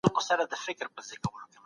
يو څوک مي پر ورغوي باندي بله ډېوه کښېږدي